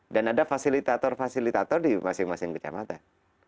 dan ada fasilitator fasilitator di masing masing kecamatan